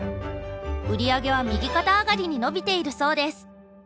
売り上げは右肩上がりに伸びているそうです。